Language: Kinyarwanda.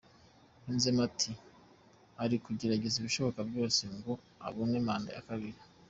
Yunzemo ati “Ari kugerageza ibishoboka byose ngo abone manda ya kabiri.